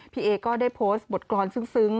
พี่เอก็ได้โพสต์บทกรรมซึ้ง